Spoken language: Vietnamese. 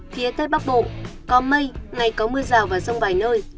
phía tây bắc bộ có mây ngày có mưa rào và rông vài nơi